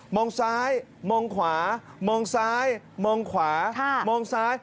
มองซ้ายมองขวามองซ้ายมองขวามองซ้าย